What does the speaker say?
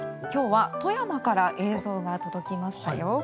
今日は富山から映像が届きましたよ。